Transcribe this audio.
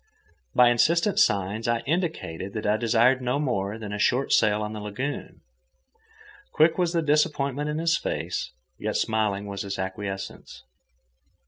By insistent signs I indicated that I desired no more than a short sail on the lagoon. Quick was the disappointment in his face, yet smiling was the acquiescence.